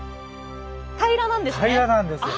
平らなんですよ。